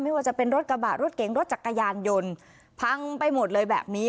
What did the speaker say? ไม่ว่าจะเป็นรถกระบะรถเก๋งรถจักรยานยนต์พังไปหมดเลยแบบนี้